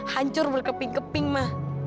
hancur berkeping keping ma